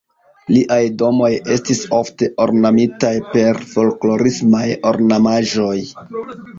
Liaj domoj estis ofte ornamitaj per folklorismaj ornamaĵoj.